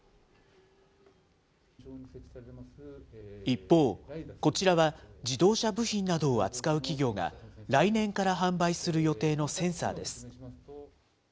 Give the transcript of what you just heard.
一方、こちらは自動車部品などを扱う企業が、来年から販売する予定のセンサーです。